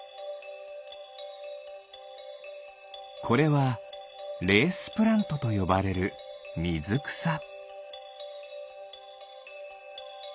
これはレースプラントとよばれるみずくさ。